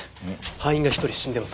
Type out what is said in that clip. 班員が１人死んでいます。